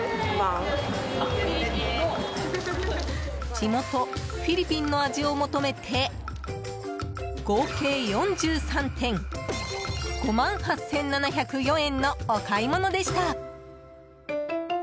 地元フィリピンの味を求めて合計４３点５万８７０４円のお買い物でした。